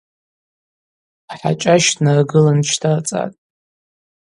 Ахӏачӏащ днаргылын дщтӏарцӏатӏ.